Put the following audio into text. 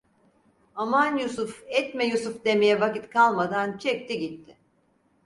Aman Yusuf, etme Yusuf demeye vakit kalmadan çekti gitti.